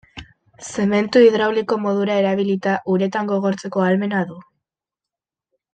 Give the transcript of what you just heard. Zementu hidrauliko modura erabilita uretan gogortzeko ahalmena du.